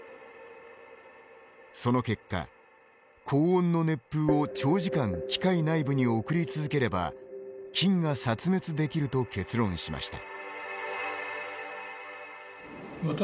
その結果、高温の熱風を長時間機械内部に送り続ければ菌が殺滅できると結論しました。